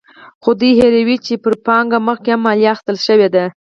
خو دوی هېروي چې پر پانګه مخکې هم مالیه اخیستل شوې ده.